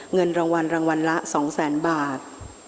เงินรางวัลรางวัลละ๒๐๐๐๐บาท